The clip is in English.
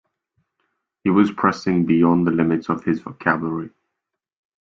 He was pressing beyond the limits of his vocabulary.